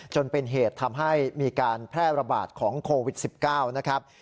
จนเป็นเหตุทำให้มีการแพร่ระบาดของโควิด๑๙นะครับ